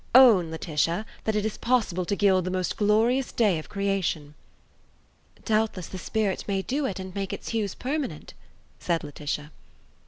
Own, Laetitia, that it is possible to gild the most glorious day of creation." "Doubtless the spirit may do it and make its hues permanent," said Laetitia.